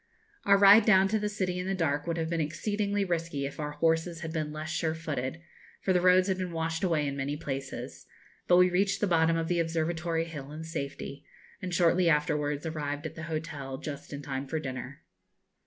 Our ride down to the city in the dark would have been exceedingly risky if our horses had been less sure footed, for the roads had been washed away in many places, but we reached the bottom of the Observatory hill in safety, and shortly afterwards arrived at the hotel just in time for dinner.